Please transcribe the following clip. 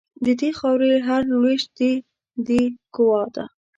د دې خاوري هر لوېشت د دې ګوا ده